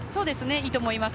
いいと思います。